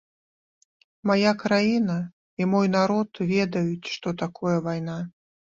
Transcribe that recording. Мая краіна і мой народ ведаюць, што такое вайна.